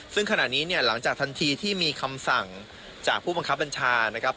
ซึ่งขณะนี้เนี่ยหลังจากทันทีที่มีคำสั่งจากผู้บังคับบัญชานะครับ